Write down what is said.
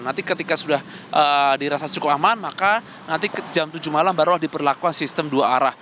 nanti ketika sudah dirasa cukup aman maka nanti jam tujuh malam baru diperlakukan sistem dua arah